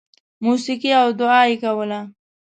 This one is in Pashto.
• موسیقي او دعا یې کوله.